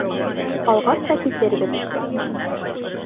Алғас та китербеҙ.